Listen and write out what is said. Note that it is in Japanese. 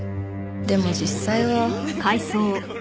でも実際は。